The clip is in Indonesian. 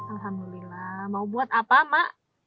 alhamdulillah mau buat apa mak